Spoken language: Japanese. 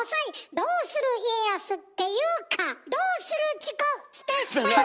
『どうする家康』っていうか『どうするチコ』スペシャル」！